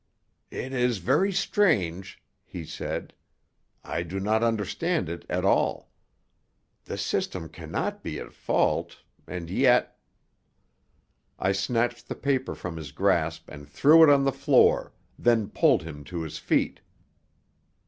"It is very strange," he said. "I do not understand it at all. The system cannot be at fault; and yet " I snatched the paper from his grasp and threw it on the floor, then pulled him to his feet.